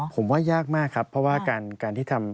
ผมว่ายากมากครับเพราะว่าการที่ทำ